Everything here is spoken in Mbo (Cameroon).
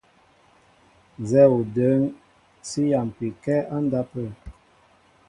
Nzɛ́ɛ́ o də̌ŋ sí yámpi kɛ́ á ndápə̂.